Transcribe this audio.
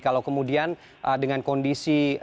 kalau kemudian dengan kondisi